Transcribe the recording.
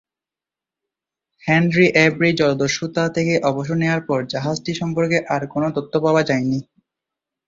Henry Avery জলদস্যুতা থেকে অবসর নেওয়ার পর জাহাজটি সম্পর্কে আর কোন তথ্য পাওয়া যায়নি।